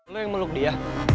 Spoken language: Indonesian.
lo yang meluk dia